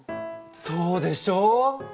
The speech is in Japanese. そうでしょう？